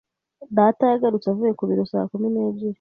Data yagarutse avuye ku biro saa kumi n'ebyiri.